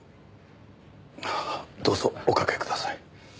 どうぞおかけください。